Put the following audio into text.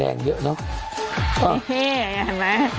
แล้วก็ดื่มเด้นต่อ